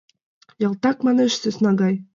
Ялтак, манеш, сӧсна гай...